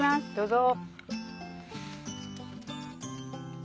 どうぞ。